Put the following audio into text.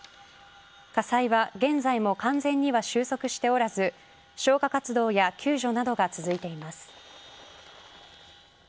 火災は現在も完全には収束しておらず消火活動や救助などが続いています。